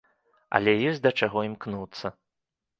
Але ёсць да чаго імкнуцца.